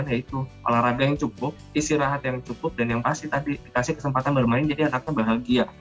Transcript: yaitu olahraga yang cukup istirahat yang cukup dan yang pasti tadi dikasih kesempatan bermain jadi anaknya bahagia